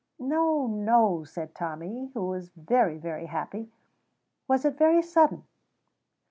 "No, no," said Tommy, who was very, very happy. "Was it very sudden?"